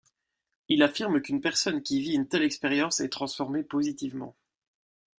Il affirme qu'une personne qui vit une telle expérience est transformée positivement.